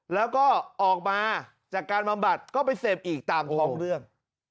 แล้วก็ออกมาจากการบำบัดก็ไปเสพอีกตามท้องเรื่อง